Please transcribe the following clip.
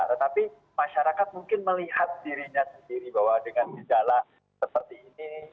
tetapi masyarakat mungkin melihat dirinya sendiri bahwa dengan segala kemampuan